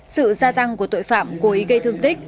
sự gia tăng của tội phạm cố ý gây thương tích